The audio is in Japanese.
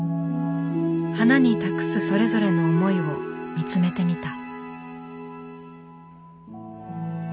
花に託すそれぞれの思いを見つめてみた。